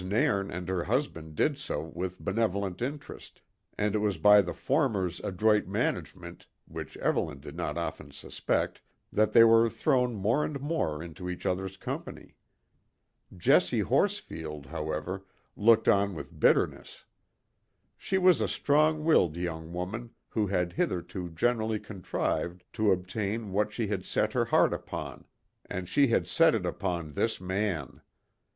Nairn and her husband did so with benevolent interest, and it was by the former's adroit management, which Evelyn did not often suspect, that they were thrown more and more into each other's company. Jessie Horsfield, however, looked on with bitterness. She was a strong willed young woman who had hitherto generally contrived to obtain what she had set her heart upon, and she had set it upon this man.